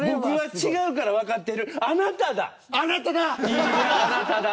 いやあなただ。